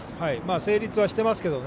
成立はしてますけどね